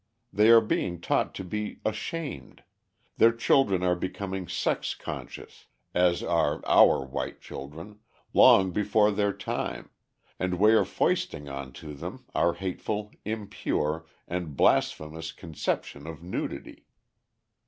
They are being taught to be "ashamed," their children are becoming sex conscious as are our white children, long before their time, and we are foisting on to them our hateful, impure, and blasphemous conceptions of nudity.